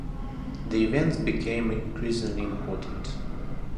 The events became increasingly important.